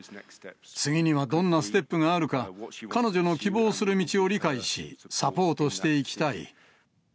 次にはどんなステップがあるか、彼女の希望する道を理解し、サポートしていきたい。